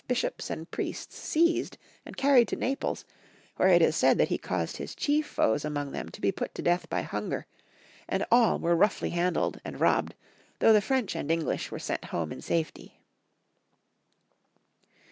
Bishops and priests seized and carried to Naples, where it is said that he caused his chief foes among them to be put to death by hunger, and all were roughly handled and robbed, though the French and English were sent home in safety.